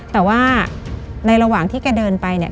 แต่ว่าในระหว่างที่แกเดินไปเนี่ย